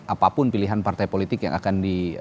apapun pilihan partai politik yang akan di